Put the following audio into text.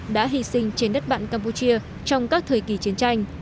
đã hy sinh trên đất bạn campuchia trong các thời kỳ chiến tranh